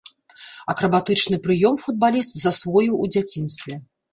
Акрабатычны прыём футбаліст засвоіў у дзяцінстве.